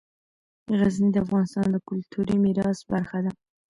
غزني د افغانستان د کلتوري میراث برخه ده.